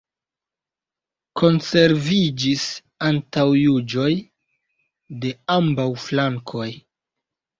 Konserviĝis antaŭjuĝoj de ambaŭ flankoj.